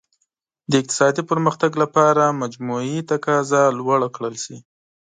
د اقتصادي پرمختګ لپاره مجموعي تقاضا لوړه کړل شي.